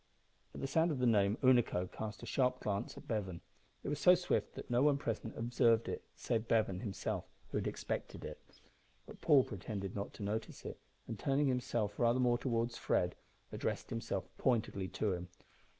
At the sound of the name Unaco cast a sharp glance at Bevan. It was so swift that no one present observed it save Bevan himself, who had expected it. But Paul pretended not to notice it, and turning himself rather more towards Fred, addressed himself pointedly to him.